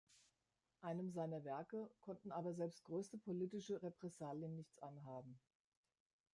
Einem seiner Werke konnten aber selbst größte politische Repressalien nichts anhaben.